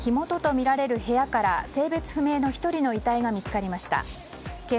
また、火元とみられる部屋から性別不明の１人の遺体が見つかりました。